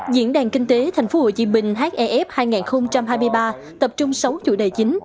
diễn đàn kinh tế tp hcm hf hai nghìn hai mươi ba tập trung sáu chủ đề chính